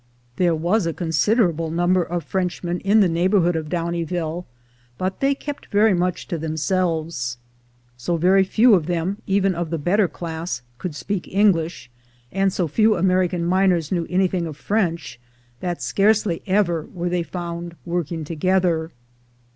There was a considerable number of Frenchmen in the neighborhood of Do\A nieville, but they kept ver}' much to themselves. So ven.' few of them, even of the better class, could speak English, and so few American miners knew anything of French, that scarcely ever were they found working together.